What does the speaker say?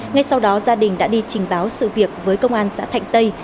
ngay sau đó gia đình đã đi trình báo sự việc với công an xã thạnh tây